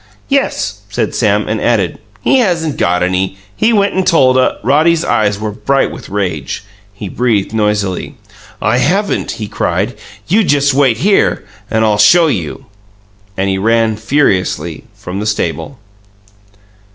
"Yes," said Sam, and added. "He hasn't got any. He went and told a " Roddy's eyes were bright with rage; he breathed noisily. "I haven't?" he cried. "You just wait here, and I'll show you!" And he ran furiously from the stable.